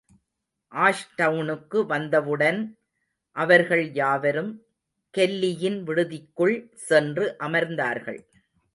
ஆஷ்டவுனுக்கு வந்தவுடன் அவர்கள் யாவரும் கெல்லியின் விடுதிக்குள் சென்று அமர்ந்தார்கள்.